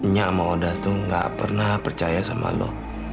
nya sama oda tuh gak pernah percaya sama lo